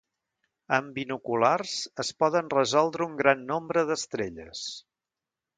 Amb binoculars es poden resoldre un gran nombre d'estrelles.